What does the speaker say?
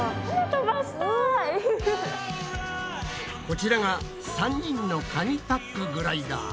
こちらが３人の紙パックグライダー。